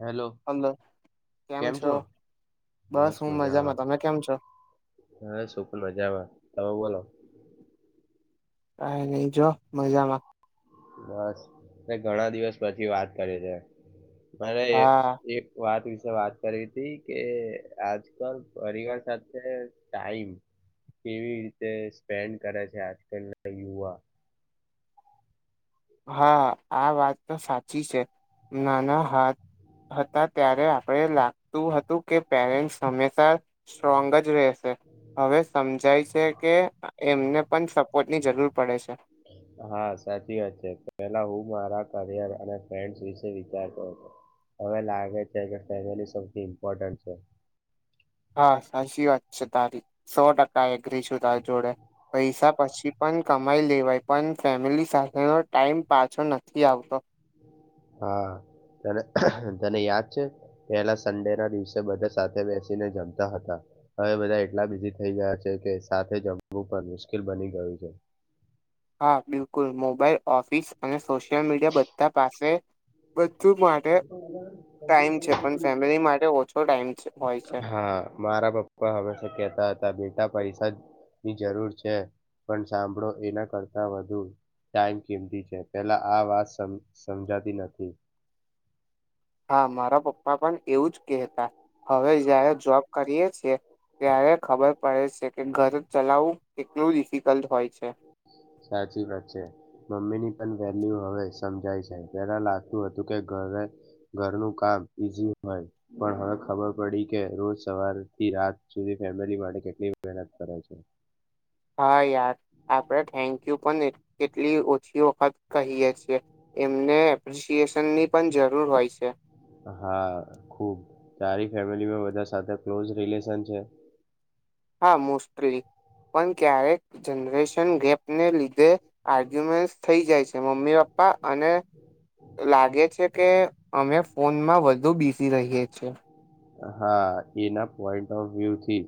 Hello hello કેમ છો બસ હું મજામાં તમે કેમ છો બસ પણ મજામાં તમે બોલો [inaudible] [inaudible] [inaudible] કઈ નઈજો મજા મા બસ મે ઘણા દિવસ પછી વાત કરી છે મને હા એક વાત વિ વાત કર હતી કે આજકાલ પરિવાર સાથે ટાઈમ કેવી રીતે સ્પેન્ડ કરે છે આજકાલના યુવા હા આ વાત તો સાચી છે નાના હાથ હતા ત્યારે આપણે લાગતું હતું કે પેરેન્ટ્સ હંમેશા સ્ટ્રોંગ જ રહેશે હવે સમજાય છે કે એમને પણ સપોર્ટની જરૂર પડે છે હા સાચી વાત છે પહેલા હું મારા કરિયર અને ફ્રેન્ડ્સ વિશે વિચારતો હતો હવે લાગે છે કે ફેમિલી સૌથી ઇમ્પોર્ટન્ટ છે હા સાચી વાત છે તારી સો ટકા એગરી છું તારી જોડે પૈસા પછી પણ કમાઈ લેવાય પણ ફેમિલી સાથેનો ટાઈમ પાછો નથી આવતો હા તને તને યાદ છે પહેલા સંડે ના દિવસે બધા સાથે બેસીને જમતા હતા હવે બધા એટલા બીઝી થઈ ગયા છે કે સાથે જમવું પણ મુશ્કેલ બની ગયું છે હા બિલકુલ મોબાઈલ ઓફિસ અને સોશિયલ મીડિયા બધા પાસે બધું માટે ટાઈમ છે પણ ફેમિલી માટે ઓછો ટાઈમ હોય છે હા મારા પપ્પા હંમેશા કેતા હતા બેટા પૈસા ની જરૂર છે પણ સાંભળો એના કરતા વધુ ટાઈમ કેમતી છે પેલા આ વાત સમજાતી નથી હા મારા પપ્પા પણ એવું જ કેતા હવે જારે જોબ કરીએ છે ત્યારે ખબર પડે છે કે ઘર ચલાવવું કેટલું ડિફિકલ્ટ હોય છે હ સાચી વાત છે મમ્મી ની પણ વેલ્યુ હવે સમજાય છે પેલા લાગતું હતું કે ઘરે ઘરનું કામ ઈઝ હોય પણ હવે ખબર પડી કે રોજ સવારથી રાત સુધી ફેમિલી માટે કેટલી મહેનત કરે છે હા યાર આપડણે થેન્ક યુ પણ કેટલી ઓછી વખત કહીએ છીએ એમને એપ્રિશિએશન ની પણ જરૂર હોય છે હા ખુબ તારી ફેમિલીમાં બધા સાથે ક્લોઝ રિલેશન છે [inaudible] [inaudible] અમુકસ્ત્રી પણ ક્યારેક જનરેશન ગેપને લીધે આર્ગ્યુમેન્ટ થઈ જાય છે મમ્મી પપા પ્પા અને લાગે છે કે અમે ફોનમાં વધુ બિઝી રહીએ છીએ હા એના પોઈન્ટ ઓફ વ્યુ થી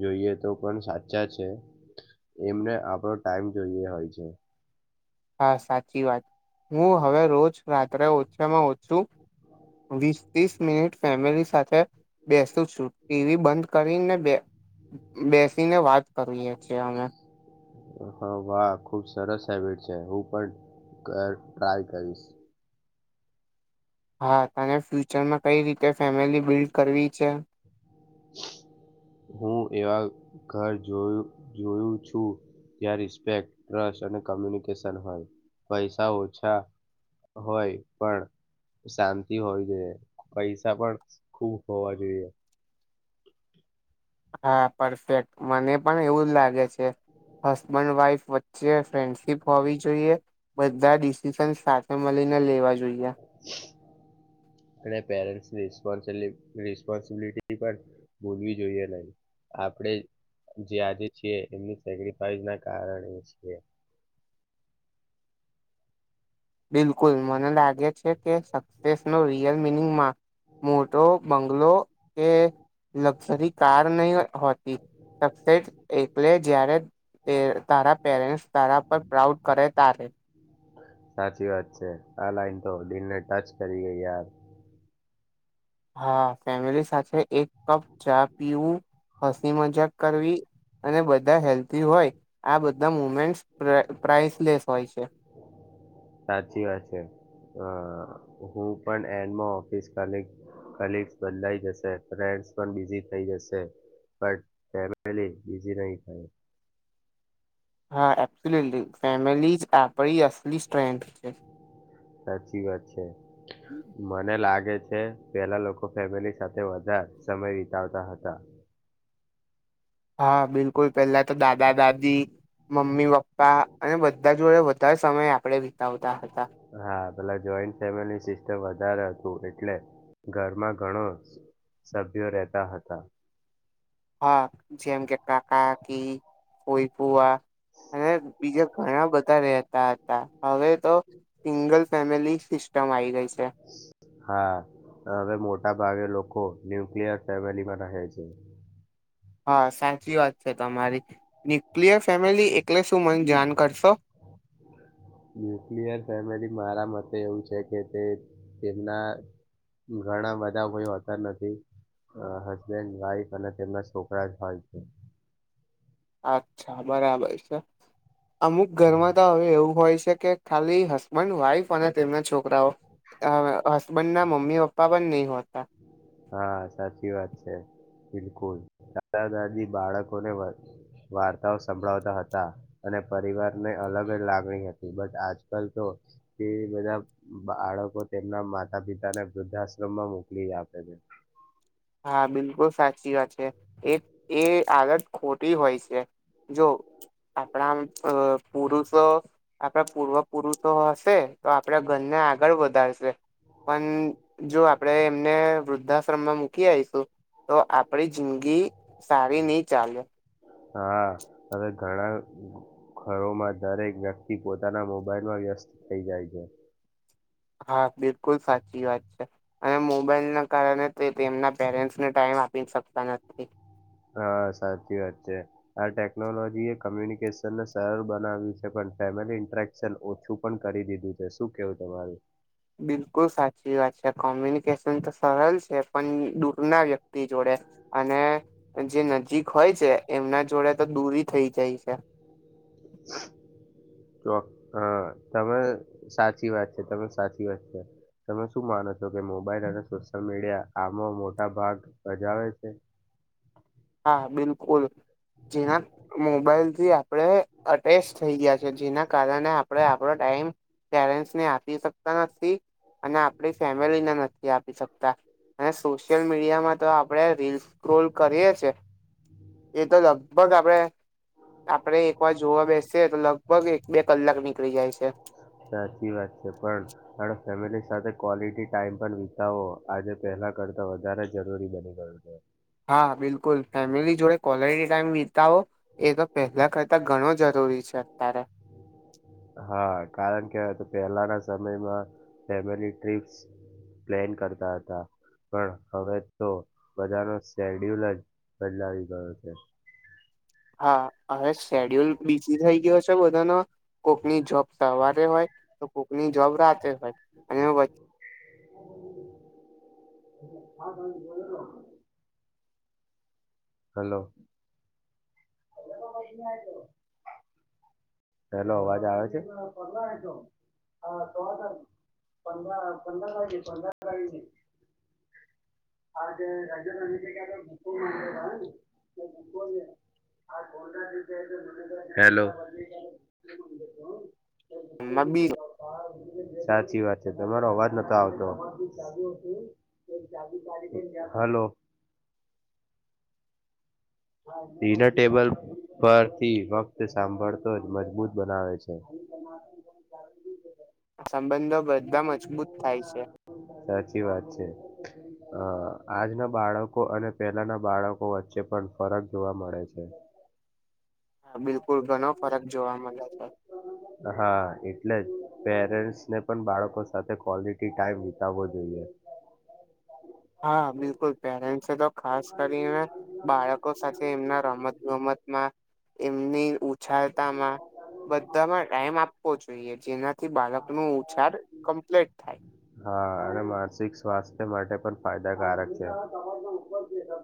જોઈએ તો પણ સાચા છે એમને આપણો ટાઈમ જોઈએ હોય છે હા સાચી વાત હું હવે રોજ રાત્રે ઓછામાં ઓછું વીસ ત્રીસ મિનિટ ફેમિલી સાથે બેસ ું ટીવી બંધ કરીને બેસીને વાત કરીએ છીએ અમે હા વાહ ખુબ સરસ હેબીટ છે હું પણ ટ ટ્રાય કરીશ હા તને ફ્યુચરમાં કઈ રીતે ફેમિલી બિલ્ડ કરવી છે હું એવા ઘર જોયું જોયું છું ત્યાં રિસ્પેક ટ્રસ્ટ અને કોમ્યુનિકેશન હોય પૈસા ઓછા હોય પણ શાંતિ હોવી જોઈએ પૈસા પણ ખુબ હોવા જોઈએ હા પરફેક્ટ મને પણ એવું જ લાગે છે હસબેન્ડ વાઈફ વચ્ચે ફ્રેન્ડશીપ હોવી જોઈએ બધા ડિસિશન સાથે મળીને લેવા જોઈએ રિસ્પોન્સબિલિટી પર ભૂલવી જોઈએ ન આપણે જે આજે છે એમની સેક્રિફાઈસ ના કારણે છે બિલકુલ મને લાગે છે કે સક્સેસ નો રિયલ મિનિંગમાં મોટો બંગલો કે લક્ઝરી કાર નહી હોતી શકશેશ એટલે જય્યારે એ તારા પેરેન્ટ્સ તારા પર પ્રાઉડ કરે તારે સાચી વાત છે આ લાઈન તો દિલને ટચ કરીએ યાર હા ફેમિલી સાથે એક કપ ચા પીવું હસી મજાક કરવી અને બધા હેલ્થી હોય આ બધા મુમેન્ટ્સ પ્રાઇ પ્રાઇસલેસ હોય છે સાચી વાત છે હું પણ એન્ડમાં ઓફિસ કાલે કલિગ્સ બદલાઈ જશે ફ્રેન્ડસ પણ બિઝી થઈ જશે પણ બઝી નહી થાય હા એપ્રેલી ફેમિલી જ આપ સાચી વાત છે મને લાગે છે છે પહેલા લોકો ફેમિલી સાથે વધારે સમય વિતાવતા હતા હા બિલકુલ પેલા તો દાદા દાદી મમ્મી પપ્પા અને બધા જોડે ત સમય આપણે વિતાવતા હતા હા પેલા જોઈન્ટ ફેમિલી સિસ્ટમ હ વધારે હતું એટલે ઘરમાં ઘણો સભ્યો રહેતા હતા હા જેમ કે કાકા કી કોઈપુઆ અને બીજા ઘણા બધા રહેતા હતા હવે તો સિંગલ ફેમિલી સિસ્ટમ આવી ગઈ છે હા હવે મોટા ભાવે લોકો ન્યુક્લિયર ફેમિલીમાં રહે છે હા સાચી વાત છે તમારી ન્યુક્લિયર ફેમિલી એટલે શું મને જાણ કરશો બ [inaudible] ન્યુક્લિયર ફેમિલી મારા મતે એવું છે કે તે તેમના ઘણા બધા કોઈ હોતા નથી અ હસબેન્ડ વાઈફ અને તેમના છોકરા જ હોય છે અચ્છા બરાબર છે અમુક ઘરમાં તો હવે એવું હોય છે કે ખાલી હસબેન્ડ વાઈફ અને તેમના છોકરાઓ અ હસબેન્ડ ના મમ્મી અી પપ્પા પણ નહી હોત હા સાચી વાત છે બિલકુલ દાદા દાદી બાળકો ને વાર્તાઓ સંભળાવતા હતા અને પરિવારને અલગ જ લાગણી હતી બટ આજકાલ તો તે બધા બાળકો તેમના માતા પિતાને વૃદ્ધાશ્રમમાં મુ મુકી આપે હા બિલકુલ સાચી વાત છે એ એ આદત ખોટી હોય છે જો આપડા આમ પુરુષો આપડા પૂર્વ પુરુષો હશે તો આપડા ઘર ને આગળ વધારશે પણ જો આપડે એમને વૃદ્ધાશ્રમમાં મુ કી આઈશું તો આપડી જિંદગી સારી ની ચાલે હા હવે ઘણા ઘરોમાં દરેક વ્યક્તિ પોતાના મોબાઈલમાં વ્યસ્ત થઈ જાય છે હા બિલકુલ સાચી વાત છે અને મોબાઈલ ના કારણે તે તેમના પેરેન્ટ્સને ટાઈમ આપી શકતા નથી હા સાચી વાત છે આ ટેકનોલોજી એ કોમ્યુનિકેશનને સરળ બનાવ્યું છે પણ તેમાનું ઇંટ્રેકશન ઓછું પણ કરી દીધું છે શું કેવું તમારું? બિલકુલ સાચી વાત છે કોમ્યુનિકેશન તો સરળ છે પણ દૂરના વ્યક્તિ જોડે અને જે નજીક હોય છે એમના જોડે તો દૂરી થઈ જાય છે [inaudible] ચો હ તમે સાચી વાત છે તમે સાચી વાત છે તમે શું માનો છો કે મોબાઈલ અને સોશિયલ મીડિયા આમાં મોટા ભાગ ભજાવે છે [inaudible] હા બિલકુલ જેના મોબાઈલથી આપડે અટેચ થઈ ગયા છે જેના કારણે આપડા પડો ટાઈમ પેરેન્ટ્સને આપી શકતા નથી અને આપડી ફેમિલીને નથી આપ પી શકતા અને સોશિયલ મીડિયામાં તો આપડે રીલ સ્ક્રોલ કરીએ છે એતો લગભગ આપડે આપડે એક વાર જોવા બેસીએ તો લગભગ એક બે કલાક નીકળી જાય છે સાચી વાત છે પણ થોડો ફેમિલી સાથે ક્વોલિટી ટાઈમ પણ વિતાવો આજે પહેલ તા કરતા વધારે જરૂરી બની ગયું છે હા બિલકુલ ફેમિલી જોડે કોલેટી ટાઈમ વી તાવો એ ક પહેલા કરતા ઘણો જરૂરી છે અત્યારે હા કારણ કે તો પહેલાના સમયમાં ફેમિલી ટ્ર્રીપ્સ પ્લેન કરતા હતા પણ હવે તો બધાનો શેડ્યુલ જ બદલાવી ગયો છે હા હવે શેડ્યુલ બીઝી થઈ ગયો છે બધાનો કોકની જોબ તવારે હોય તો કોકની જોબ રાતે હોય અને વ [inaudible] હેલો પેલો અવાજ આવે છે પંદર પંદર પંદર તારીથી [inaudible] હેલો તો ભૂખો મ બી જે બાપા, સાચી વાત છે તમારો અવાજ નતો આવતો હલો ડિનર ટેબલ પરથી વક્ત સાંભળતો જ મજબૂત બનાવે છે [inaudible] સંબંધો બધા મજબૂત થાય છે ચી વાત છે અ આજના બાળકો અને પેલાના બાળકો વચ્ચે પણ ફરક જોવા મળે છે. હા બિલકુલ ઘણો ફરક જોવા મલે છે. પેરેન્ટ્સ ને પણ બાળકો સાથે ક્વોલટી ટાઈમ વિતાવવો જોઈએ. હા બિલકુલ પેરેન્સેતો ખાસ કરીને બાળકો સાથે એમના રમત ગમત માં એમની ઉછાળતામાં બધામાં ટાઈમ આપવો જોઈએ જેનાથી બાળક ન ઉછાર કમ્પ્લીટ થાય હા અને માનસિક સ્વાસ્થ્ય માટે પણ ફાયદાકારક છે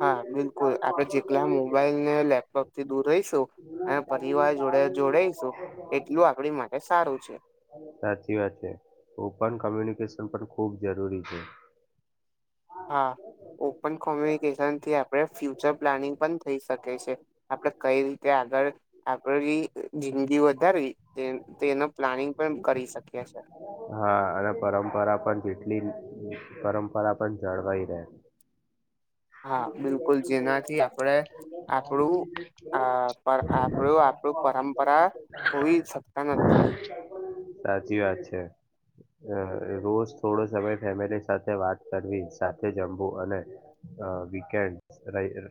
હા બિલકુલ આપડે જેટલા મોબાઈલ ને લેપટોપ થી દૂર રહીશું પરિવાર જોડે જોડાઈશું એટલું આપડી માટે સારું છે સાચી વાત છે ઓપન કોમ્યુનિકેશન પણ ખુબ જરૂરી છે હા ઓપન કોમ્યુનિકેશન થી આપણે ફ્યુચર પ્લાનિંગ પણ થઈ શકે છે આપડે કઈ રી આગળ આપણે જિંદગી વધારવી તેનો પ્લાનિંગ પણ કરી શકીએ અચ્છા હા અને પરંપરા પણ જેટલી પરંપરા પણ જાળવાઈ રહે હા બિલકુલ જેનાથી આપણેે આપણું આપડું આપણું પરંપરા ખોવી શકતા નથી સાચી વાત છે. અ રોજ થોડો સમય ફેમિલી સાથે વાત કરવી સાથે જમવું અને વીકેન્ડ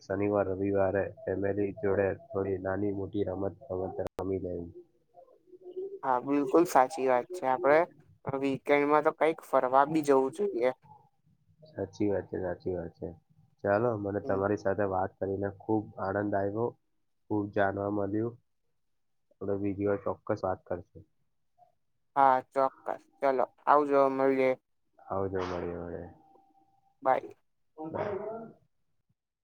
શનિવાર રવિવારે ફેમિલી જોડે થોડી નાની મોટી [inaudible] હા બિલકુલ સાચી વાત છે આપડે કે એમાં તો કઈક ફરવા બી જવું જોઈએ સાચી વાત છે સાચી વાત ચાલો મને હમ, તમારી સાથે વાત કરીને ખૂબ આનંદ આવ્યો ખૂબ જાણવા મળ્યું આપડ બીજી વાર ચોક્કસ વાત કરશું હા ચોક્કસ ચલો આવજો મલીએ આવજો મળએ મળીએ બાય [inaudible]